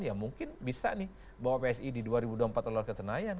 ya mungkin bisa nih bawa psi di dua ribu dua puluh empat lolos ke senayan